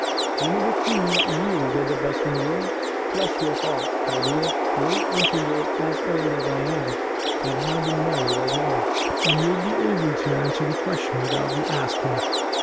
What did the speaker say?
And did the queen really get the best in the world ? Bless your heart, my dear, wait until you are as old as I am, and have been married as long, and you will be able to answer that question without the asking.